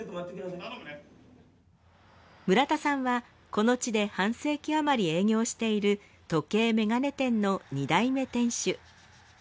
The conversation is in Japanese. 村田さんはこの地で半世紀余り営業している時計眼鏡店の２代目店主。